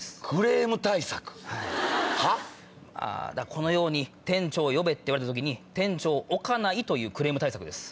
このように店長を呼べって言われた時に店長を置かないというクレーム対策です。